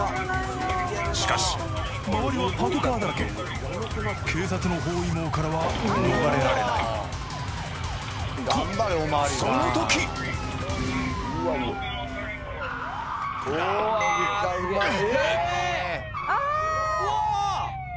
しかし周りはパトカーだらけ警察の包囲網からは逃れられないとその時ああーっうわーっ